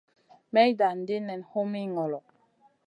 May dan ɗi nen humi ŋolo.